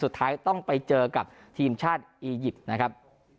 สุดท้ายต้องไปเจอกับทีมชาติอียิปต์นะครับ